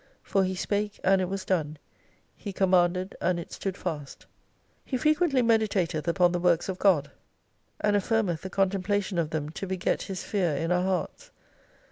For He spake, and it was done ; He commanded, and it stood fast. He frequently meditateth upon the Works of God, and I 219 affirmcth the contemplation of them to beget His fear in our hearts.